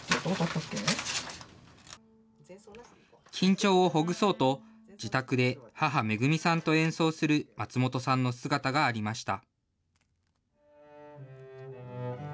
緊張をほぐそうと、自宅で母、恵さんと演奏する松本さんの姿がありました。